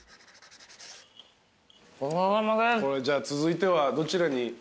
じゃあ続いてはどちらに？